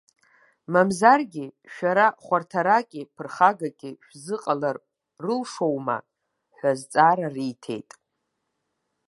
Мамзаргьы, шәара хәарҭараки ԥырхагаки шәзыҟалар рылшоума?- ҳәа азҵаара риҭеит.